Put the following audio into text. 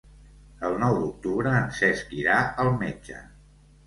El nou d'octubre en Cesc irà al metge.